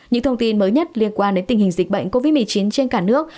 những thông tin mới nhất liên quan đến tình hình dịch bệnh covid một mươi chín trên cả nước